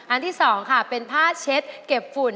ที่๒ค่ะเป็นผ้าเช็ดเก็บฝุ่น